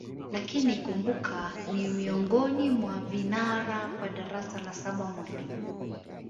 Lakini kumbuka ni miongoni mwa vinara kwa darasa la saba mwalimu